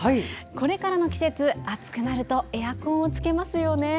これからの季節、暑くなるとエアコンをつけますよね。